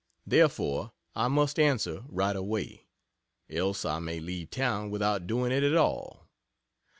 Therefore, I must answer right away, else I may leave town without doing it at all.